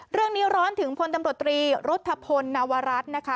เรื่องนี้ร้อนถึงพลตำรวจรีรุฑพลนวรัฐนะคะ